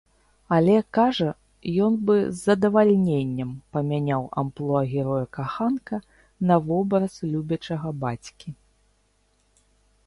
Але, кажа, ён бы з задавальненнем памяняў амплуа героя-каханка на вобраз любячага бацькі.